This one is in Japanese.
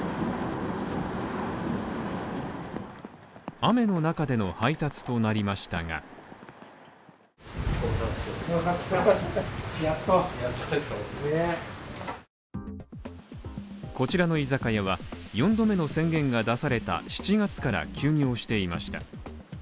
雨の中での配達となりましたがこちらの居酒屋は４度目の宣言が出された７月から休業をしていました。